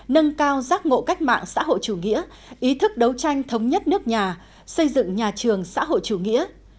nâng cao giác ngộ cách mạng xã hội chủ nghĩa ý thức đấu tranh thống nhất nước nhà xây dựng nhà trường xã hội chủ nghĩa